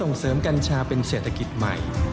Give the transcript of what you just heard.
นี่คือการจะน่าบุรี